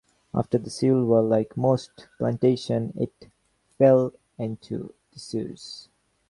After the Civil War, like most plantations, it fell into disuse.